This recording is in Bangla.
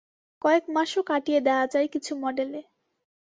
কয়েকমাসও কাটিয়ে দেয়া যায় কিছু মডেলে।